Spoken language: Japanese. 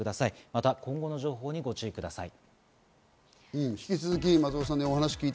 また今後の情報にご注意ください。